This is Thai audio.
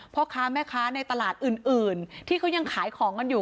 พ่อค้าแม่ค้าในตลาดอื่นที่เขายังขายของกันอยู่